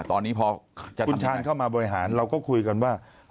ตอนนี้พอคุณชาญเข้ามาบริหารเราก็คุยกันว่า